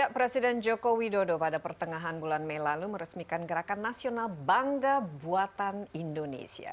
presiden joko widodo pada pertengahan bulan mei lalu meresmikan gerakan nasional bangga buatan indonesia